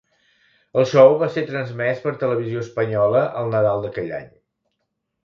El show va ser transmès per Televisió Espanyola el nadal d'aquell any.